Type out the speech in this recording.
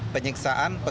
dia sudah diangkat